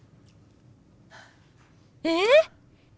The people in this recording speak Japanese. えっ！？